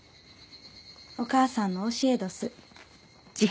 おかあさんの教えどす。